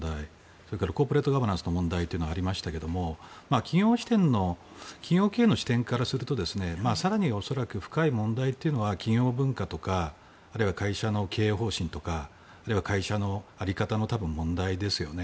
それからコーポレートガバナンスの問題というのがありましたけども企業経営の視点からすると更に恐らく深い問題というのは企業文化とかあるいは会社の経営方針とかあるいは会社の在り方の問題ですよね。